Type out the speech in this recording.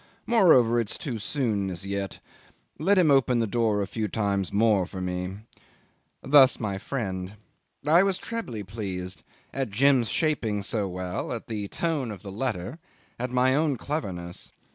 Moreover, it's too soon as yet. Let him open the door a few times more for me. ..." Thus my friend. I was trebly pleased at Jim's shaping so well, at the tone of the letter, at my own cleverness.